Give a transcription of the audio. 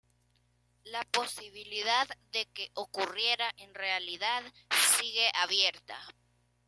La posibilidad de que ocurriera en realidad sigue abierta.